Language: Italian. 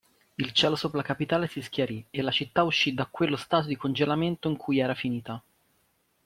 Il cielo sopra la capitale si schiarì e la città uscì da quello stato di congelamento in cui era finita.